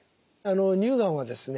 乳がんはですね